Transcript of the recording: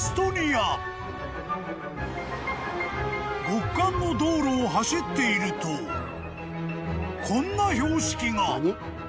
［極寒の道路を走っているとこんな標識が］